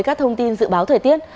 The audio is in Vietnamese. các thông tin dự báo thời tiết